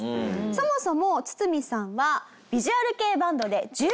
そもそもツツミさんは。